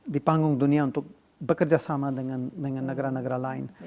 di panggung dunia untuk bekerja sama dengan negara negara lain